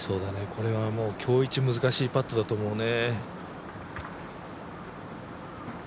これは今日イチ難しいパットだと思うね。